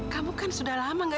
kamu kan sudah lama nggak nunggu